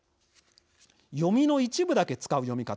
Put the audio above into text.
読みの一部だけ使う読み方。